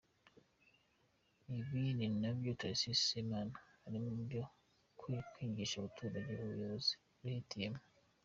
Ibi ninabyo Tharcisse Semana arimo byo kwangisha abaturage ubuyobozi bihitiyemo.